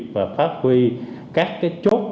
và phát huy các chốt